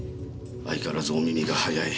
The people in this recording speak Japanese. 相変わらずお耳が早い。